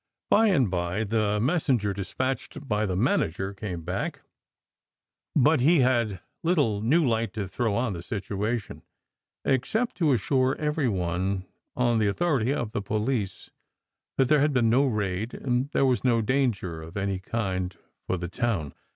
By and by, the messenger dispatched by the manager came back; but he had little new light to throw on the situation, ex cept to assure every one on the authority of the police that there had been no raid, and there was no danger of any kind for the town.